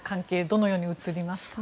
どのように映りましたか。